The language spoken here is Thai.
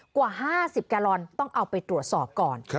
กว่า๕๐แกลลอนต้องเอาไปตรวจสอบก่อน